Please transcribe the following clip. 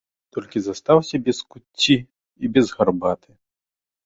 Толькі застаўся без куцці і без гарбаты.